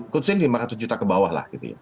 khususnya di lima ratus juta ke bawah lah